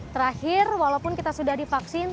terakhir walaupun kita sudah divaksin